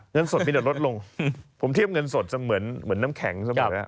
เงินสดมีแต่ลดลงผมเทียบเงินสดเหมือนน้ำแข็งเสมอ